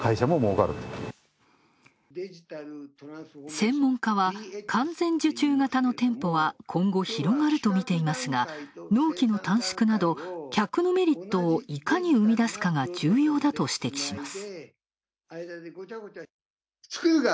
専門家は、完全受注型の店舗は、今後広がるとみていますが、納期の短縮など客のメリットを、いかに生み出すかが重要だと指摘します。